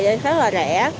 rất là rẻ